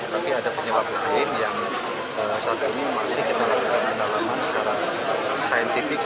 tapi ada penyebab lain yang saat ini masih kita lakukan pendalaman secara saintifik